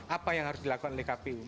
apa yang harus dilakukan oleh kpu